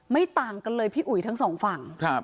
ต่างกันเลยพี่อุ๋ยทั้งสองฝั่ง